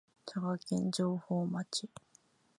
佐賀県上峰町